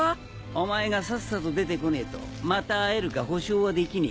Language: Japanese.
お前がさっさと出てこねえとまた会えるか保証はできねえな。